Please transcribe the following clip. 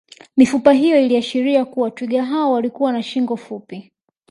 Mifupa hiyo iliashiria kuwa twiga hao walikuwa na shingo fupi